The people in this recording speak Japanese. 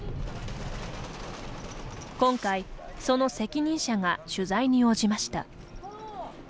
今回、その責任者が取材に応じました。